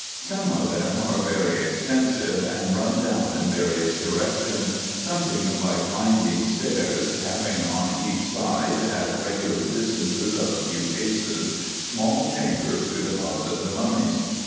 Some of them are very extensive, and run down in various directions, something like winding stairs, having on each side, at regular distances of a few paces, small chambers to deposit the mummies.